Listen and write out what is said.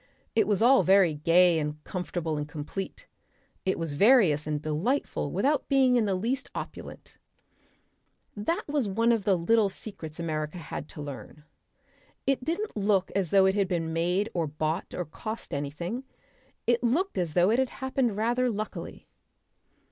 It was all very gay and comfortable and complete; it was various and delightful without being in the least opulent; that was one of the little secrets America had to learn. It didn't look as though it had been made or bought or cost anything, it looked as though it had happened rather luckily....